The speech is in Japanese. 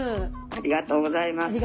ありがとうございます。